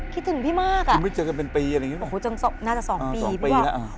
คิดถึงพี่มากจนไม่เจอกันเป็นปีเรื่องแบบนี้น่าจะคือ๒ปี